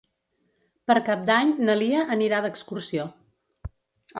Per Cap d'Any na Lia anirà d'excursió.